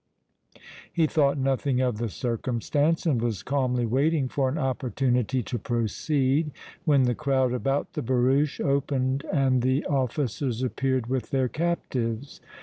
He thought nothing of the circumstance and was calmly waiting for an opportunity to proceed when the crowd about the barouche opened and the officers appeared with their captives.